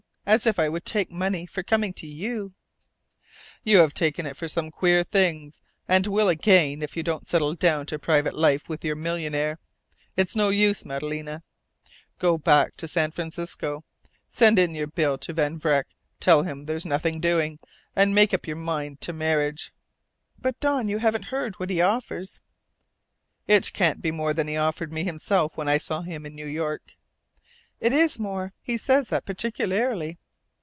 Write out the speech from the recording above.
As if I would take money for coming to you!" "You have taken it for some queer things, and will again if you don't settle down to private life with your millionaire.... It's no use, Madalena. Go back to San Francisco. Send in your bill to Van Vreck. Tell him there's nothing doing. And make up your mind to marriage." "But, Don, you haven't heard what he offers." "It can't be more than he offered me himself when I saw him in New York " "It is more. He says that particularly.